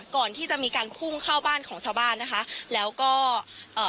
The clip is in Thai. ก่อนที่จะมีการพุ่งเข้าบ้านของชาวบ้านนะคะแล้วก็เอ่อ